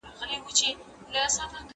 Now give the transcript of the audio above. منډېلا د خپلواکۍ لپاره ډېره مبارزه کړې وه.